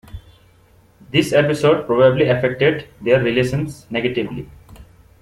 This episode probably affected their relations negatively.